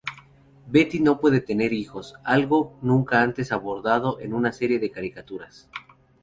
Betty no puede tener hijos, algo nunca antes abordado en una serie de caricaturas.